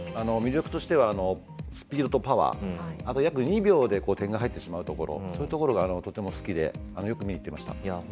魅力としては、スピードとパワーあと約２秒で点が入ってしまうところそういうところがとても好きでよく見に行ってました。